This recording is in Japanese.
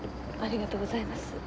ありがとうございます。